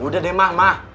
udah deh mah mah